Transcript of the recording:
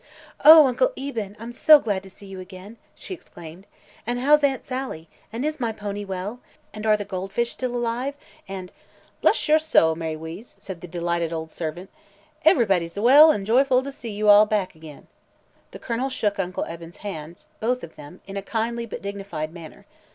"Oh, Uncle Eben, I'm so glad to see again!" she exclaimed. "And how's Aunt Sallie? And is my pony well? And are the goldfish still alive? And " "Bress yo' soul, Ma'y Weeze!" said the delighted old servant, "ev'body's well an' joyful to see you all back ag'in." The Colonel shook Uncle Eben's hands both of them in a kindly but dignified manner.